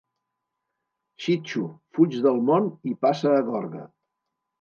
Xitxo, fuig del món i passa a Gorga!